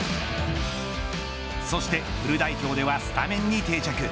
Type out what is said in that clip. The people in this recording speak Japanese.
そしてフル代表ではスタメンに定着。